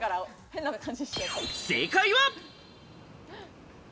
正解は。